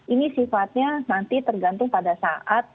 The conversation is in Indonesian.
ini sifatnya nanti tergantung pada saat